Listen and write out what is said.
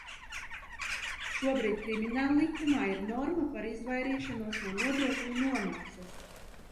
Šobrīd Krimināllikumā ir norma par izvairīšanos no nodokļu nomaksas.